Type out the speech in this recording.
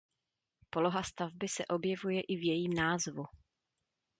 Poloha stavby se objevuje i v jejím názvu.